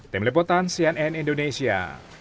tim lepotan cnn indonesia